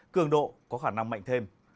cường độ có khả năng mạnh thêm